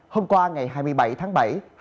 hôm qua ngày hai mươi bảy tháng bảy